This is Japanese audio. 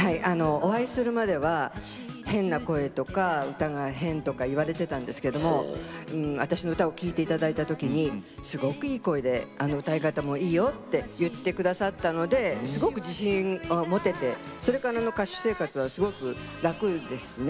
お会いするまでは変な声とか歌が変とか言われてたんですけども私の歌を聴いて頂いた時にすごくいい声で歌い方もいいよって言って下さったのですごく自信を持ててそれからの歌手生活はすごく楽ですね。